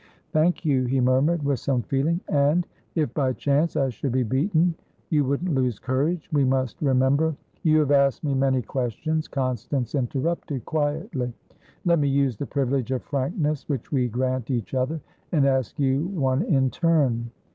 "Thank you," he murmured, with some feeling. "And, if, by chance, I should be beaten? You wouldn't lose courage? We must remember" "You have asked me many questions," Constance interrupted quietly. "Let me use the privilege of frankness which we grant each other, and ask you one in turn.